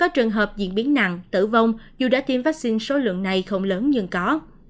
trường hợp diễn biến nặng tử vong dù đã tiêm vaccine số lượng này không lớn nhưng có